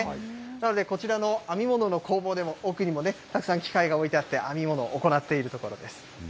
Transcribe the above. なのでこちらの編み物の工房でも、奥にもたくさん機械が置いてあって、編み物、行っているところです。